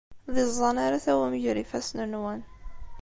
D iẓẓan ara tawim gar yifassen-nwen.